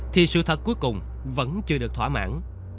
thì sự thật cuối cùng vẫn chưa được thỏa mãn